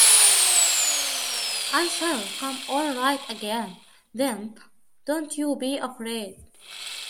I shall come all right again, then, don't you be afraid.